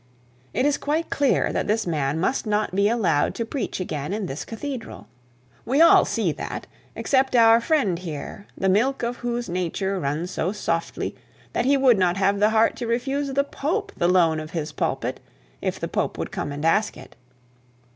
'It is quite clear that this man must not be allowed to preach again in the cathedral. We all see that, except our dear friend here, the milk of whose nature runs so softly, that he would not have the heart to refuse the Pope, the loan of his pulpit, if the Pope would come and ask it.